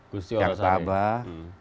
bustiwa pak sabar